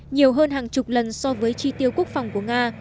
nhiều hơn hàng chục lần so với chi tiêu quốc phòng của nga